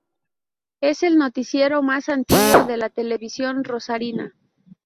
Es el noticiero más antiguo de la televisión rosarina.